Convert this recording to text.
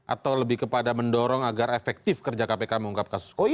atau lebih kepada mendorong agar efektif kerja kpk mengungkap kasus koi